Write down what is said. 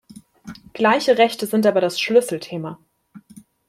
Gleiche Rechte sind aber das Schlüsselthema.